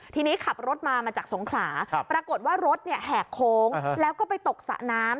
ทีนี้ขับรถมามาจากสงขลาปรากฏว่ารถแหกโค้งแล้วก็ไปตกสระน้ำ